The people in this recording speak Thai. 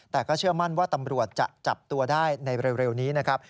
แต่ก็เชื่อมั่นว่าตำรวจจะจับตัวได้ในเร็วนี้นะครับ